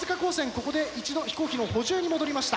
ここで一度飛行機の補充に戻りました。